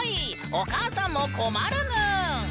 お母さんも困るぬん！